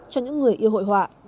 cho những người yêu hội họa